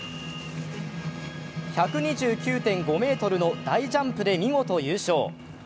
１２９．５ｍの大ジャンプで見事優勝。